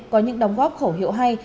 có những đóng góp khẩu hiệu hay